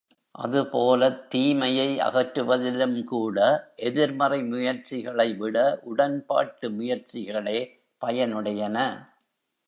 அதுபோலத் தீமையை அகற்றுவதிலும் கூட எதிர்மறை முயற்சிகளை விட உடன்பாட்டு முயற்சிகளே பயனுடையன.